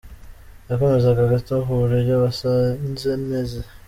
Yakomozaga gato ku buryo basanze meze.